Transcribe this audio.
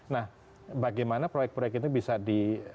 nah bagaimana proyek proyek itu bisa di